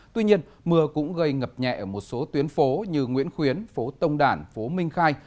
tuy nhiên mưa cũng gây ngập nhẹ ở một số tuyến phố như nguyễn khuyến phố tông đản phố minh khai